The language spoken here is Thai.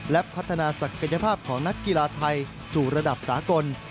และพัฒนาศักยภาพของนักกีฬาไทยสู่ระดับสากล